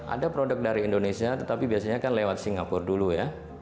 ada produk dari indonesia tetapi biasanya kan lewat singapura dulu ya